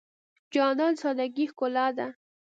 جانداد د سادګۍ ښکلا ده.